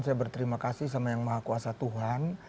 saya berterima kasih sama yang maha kuasa tuhan